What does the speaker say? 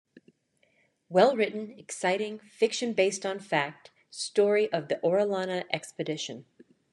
Well-written, exciting, fiction-based-on-fact, story of the Orellana expedition.